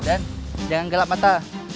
den jangan gelap mata